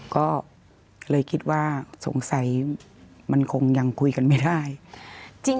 ก็เลยคิดว่าสงสัยมันคงยังคุยกันไม่ได้